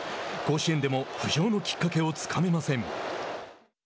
甲子園でも浮上のきっかけをつかめません。